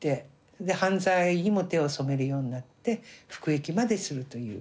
で犯罪にも手を染めるようになって服役までするという。